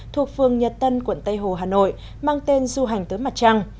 thuộc phường nhật tân quận tây hồ hà nội mang tên du hành tới mặt trăng